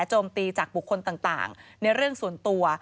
โจมตีจากบุคคลต่างในเรื่องส่วนตัว